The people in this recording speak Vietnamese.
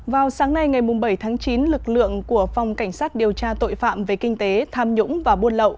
vào sáng nay ngày bảy tháng chín lực lượng của phòng cảnh sát điều tra tội phạm về kinh tế tham nhũng và buôn lậu